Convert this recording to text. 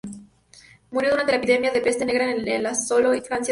Murió durante la epidemia de peste negra que asoló Francia en la Edad Media.